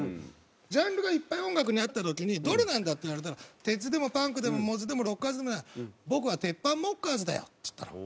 ジャンルがいっぱい音楽にあった時にどれなんだ？って言われたらテッズでもパンクでもモッズでもロッカーズでもない僕はテッパンモッカーズだよっつったの。